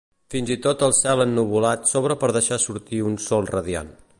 Fins i tot el cel ennuvolat s'obre per deixar sortir un sol radiant.